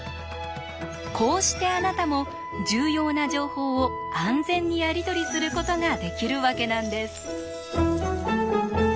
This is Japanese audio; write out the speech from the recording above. こうしてあなたも重要な情報を安全にやり取りすることができるわけなんです。